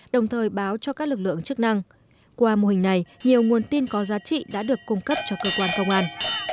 đồng thời báo cho các lực lượng chức năng qua mô hình này nhiều nguồn tin có giá trị đã được cung cấp cho cơ quan công an